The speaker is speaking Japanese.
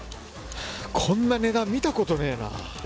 こんな値段見たことねえな。